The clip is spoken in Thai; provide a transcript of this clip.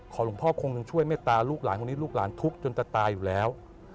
หลวงพ่อคงหนึ่งช่วยเมตตาลูกหลานคนนี้ลูกหลานทุกข์จนจะตายอยู่แล้ว